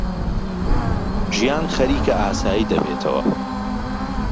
ژیان خەریکە ئاسایی دەبێتەوە.